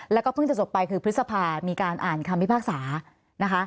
และก็เพิ่งจะจบไปคือพฤษภามีการอ่านคำความวิภาคศาในคณะ